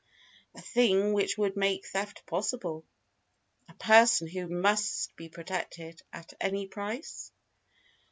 A thing which would make theft possible? A person who must be protected at any price?